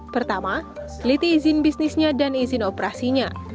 pertama seliti izin bisnisnya dan izin operasinya